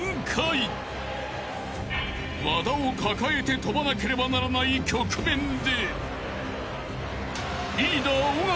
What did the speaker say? ［和田を抱えて跳ばなければならない局面で］